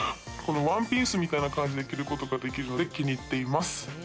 ワンピースみたいな感じで着ることができるので気に入っています。